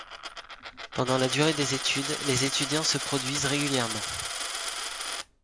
Pendant la durée des études, les étudiants se produisent régulièrement.